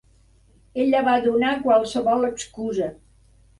Ella va donar qualsevol excusa